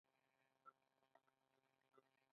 ایا زه ډیرې اوبه وڅښم؟